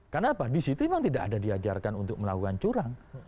karena apa disitu memang tidak ada diajarkan untuk melakukan curang